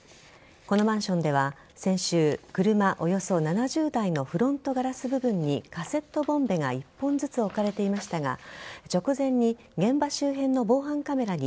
このマンションでは先週車およそ７０台のフロントガラス部分にカセットボンベが１本ずつ置かれていましたが直前に現場周辺の防犯カメラに